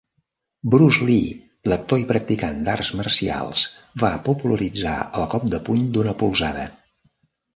Bruce Lee, l'actor i practicant d'arts marcials, va popularitzar el cop de puny d'una polzada.